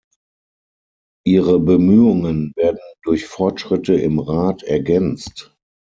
Ihre Bemühungen werden durch Fortschritte im Rat ergänzt.